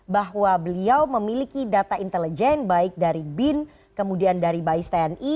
bahwa beliau memiliki data intelijen baik dari bin kemudian dari bais tni